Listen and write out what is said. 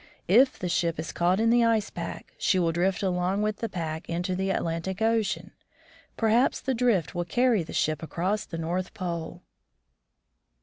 If the ship is caught in the ice pack, she will drift along with the pack into the Atlantic ocean. Perhaps the drift will carry the ship across the North Pole."